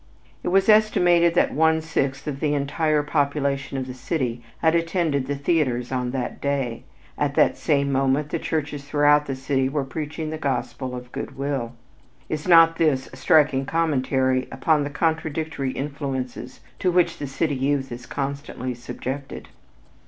It was estimated that one sixth of the entire population of the city had attended the theaters on that day. At that same moment the churches throughout the city were preaching the gospel of good will. Is not this a striking commentary upon the contradictory influences to which the city youth is constantly subjected?